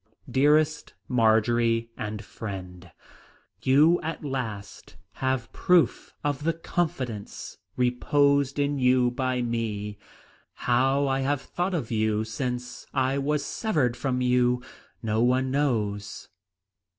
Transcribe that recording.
"Dearest Marjory and Friend, "You at last have proof of the confidence reposed in you by me. How I have thought of you since I was severed from you no one knows.